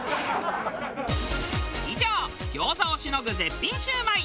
以上餃子をしのぐ絶品シュウマイ。